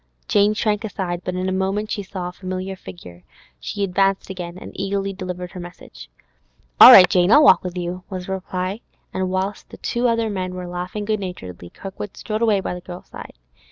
Jane shrank aside; but in a moment she saw a familiar figure; she advanced again, and eagerly delivered her message. 'All right, Jane! I'll walk on with you,' was the reply. And whilst the other two men were laughing good naturedly, Kirkwood strode away by the girl's side.